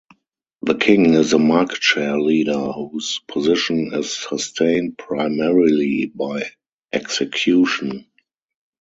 The king is the market share leader whose position is sustained primarily by execution.